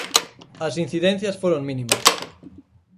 As incidencias foron mínimas.